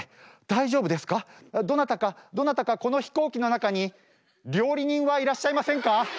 どなたかどなたかこの飛行機の中に料理人はいらっしゃいませんか？